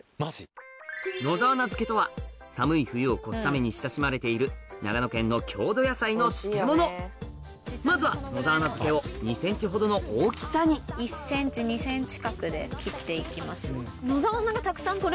野沢菜漬けとは寒い冬を越すために親しまれている長野県の郷土野菜の漬物まずは野沢菜漬けを２ｃｍほどの大きさにがあって。